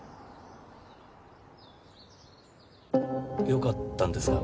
よかったんですか？